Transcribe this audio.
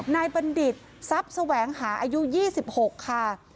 บัณฑิตทรัพย์แสวงหาอายุ๒๖ค่ะ